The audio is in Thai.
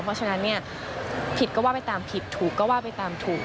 เพราะฉะนั้นเนี่ยผิดก็ว่าไปตามผิดถูกก็ว่าไปตามถูก